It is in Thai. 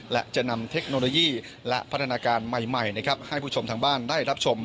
และจะนำเทคโนโลยีและพัฒนาการใหม่ให้ผู้ชมทางบ้านได้รับชม